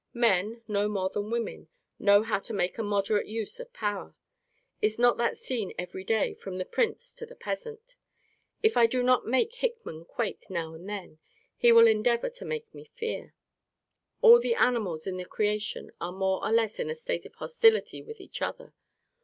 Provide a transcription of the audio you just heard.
Men, no more than women, know how to make a moderate use of power. Is not that seen every day, from the prince to the peasant? If I do not make Hickman quake now and then, he will endeavour to make me fear. All the animals in the creation are more or less in a state of hostility with each other.